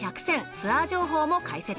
ツアー情報も解説。